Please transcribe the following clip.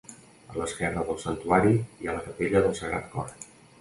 A l'esquerra del Santuari hi ha la Capella del Sagrat Cor.